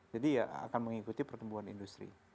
jadi ya akan mengikuti pertumbuhan industri